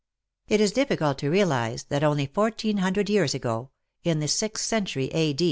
It is difficult to realize that only fourteen hundred years ago — in the sixth century A.